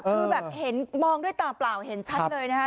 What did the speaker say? คือแบบเห็นมองด้วยตาเปล่าเห็นชัดเลยนะคะ